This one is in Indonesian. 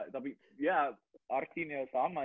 tapi artinya sama emang